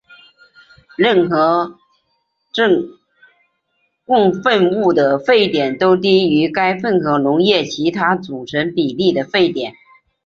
任何正共沸物的沸点都低于该混合溶液其他组成比例的沸点。